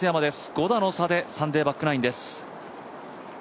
５打の差でサンデーバックナインです。